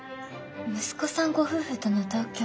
息子さんご夫婦との同居。